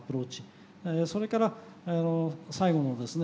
それから最後のですね